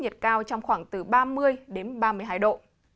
trong khoảng từ ba mươi ba mươi hai độ